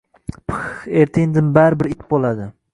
– Pix! Erta-indin baribir it bo‘ladi!